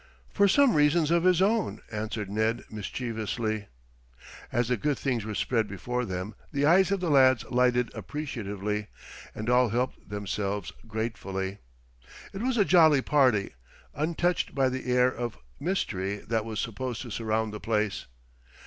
"For some reasons of his own," answered Ned mischievously. As the good things were spread before them the eyes of the lads lighted appreciatively, and all helped themselves gratefully. It was a jolly party, untouched by the air of mystery that was supposed to surround the place.